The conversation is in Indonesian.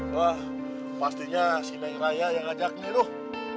wah pastinya si neng raya yang ngajak nih loh